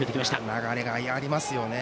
流れがありますね。